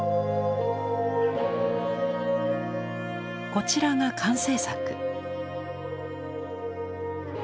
こちらが完成作。